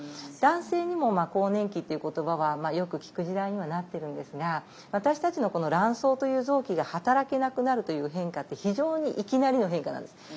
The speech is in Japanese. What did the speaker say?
男性にも更年期っていう言葉はよく聞く時代にはなってるんですが私たちの卵巣という臓器が働けなくなるという変化って非常にいきなりの変化なんです。